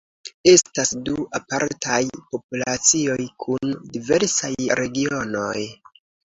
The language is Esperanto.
Estas du apartaj populacioj kun diversaj regionoj.